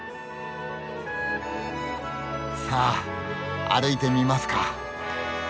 さあ歩いてみますか。